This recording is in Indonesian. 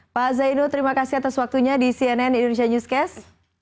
pak zainul terima kasih atas waktunya di cnn indonesia newscast